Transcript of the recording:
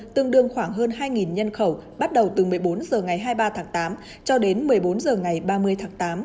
tương đương khoảng hơn hai nhân khẩu bắt đầu từ một mươi bốn h ngày hai mươi ba tháng tám cho đến một mươi bốn h ngày ba mươi tháng tám